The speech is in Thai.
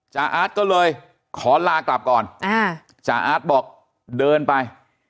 จาอาจบอกเดินไป